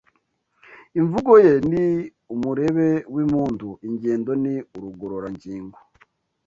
Imvugo ye ni umurebe w’impundu Ingendo ni urugororangingo